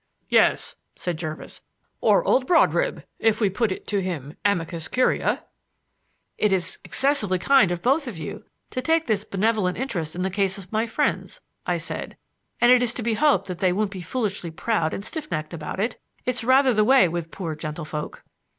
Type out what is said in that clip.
"Yes," said Jervis. "Or old Brodribb, if we put it to him amicus curia." "It is excessively kind of both of you to take this benevolent interest in the case of my friends," I said; "and it is to be hoped that they won't be foolishly proud and stiff necked about it. It's rather the way with poor gentlefolk."